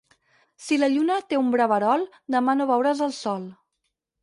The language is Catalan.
Si la lluna té un braverol, demà no veuràs el sol.